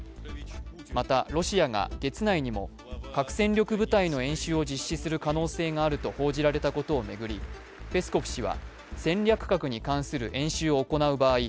また、ロシアが月内にも核戦力部隊の演習を実施する可能性があると報じられたことを巡り、ペスコフ氏は戦略核に関する演習を行う場合